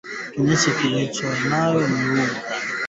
kinyesi kilicho na minyoo au mabuu au viluwiluwi hivyo